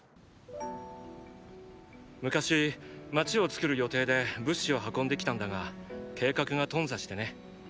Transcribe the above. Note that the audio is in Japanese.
昔町を作る予定で物資を運んできたんだが計画が頓挫してね。